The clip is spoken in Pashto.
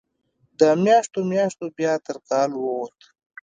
د میاشتو، میاشتو بیا تر کال ووته